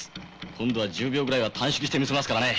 今度は１０秒ぐらいは短縮してみせますからね。